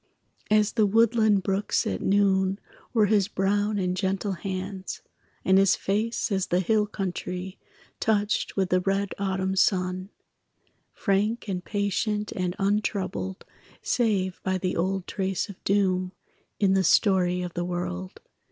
As the woodland brooks at noon Were his brown and gentle hands, And his face as the hill country Touched with the red autumn sun Frank and patient and untroubled Save by the old trace of doom In the story of the world.